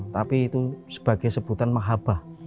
tapi itu sebagai sebutan mahabah